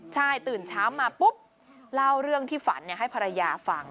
ใช่ตื่นเช้ามาปุ๊บเล่าเรื่องที่ฝันให้ภรรยาฟัง